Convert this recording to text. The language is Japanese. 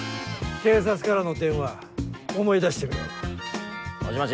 警察からの電話思い出してみろ。